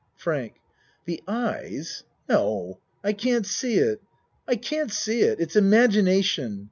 FRANK The eyes? No I can't see it. I can't see it. It's imagination.